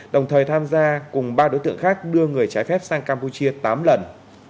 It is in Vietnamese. đồng thời tham gia cùng ba đối tượng khác đưa người trái phép sang campuchia tám lần